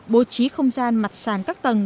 bố trí không gian mặt sàn các tầng